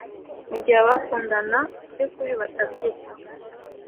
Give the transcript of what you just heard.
mu gihe abakundana by’ukuri batabyitaho